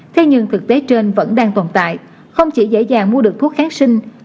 thế nhưng thực tế trên vẫn đang tồn tại không chỉ dễ dàng mua được thuốc kháng sinh